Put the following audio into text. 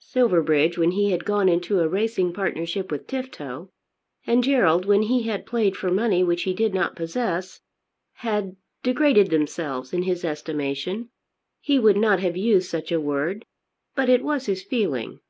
Silverbridge when he had gone into a racing partnership with Tifto, and Gerald when he had played for money which he did not possess, had degraded themselves in his estimation. He would not have used such a word; but it was his feeling.